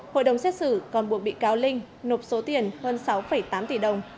hội đồng xét xử còn buộc bị cáo linh nộp số tiền hơn sáu tám tỷ đồng